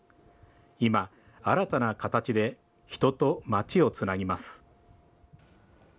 今、新たな形で人と町をつなぎます。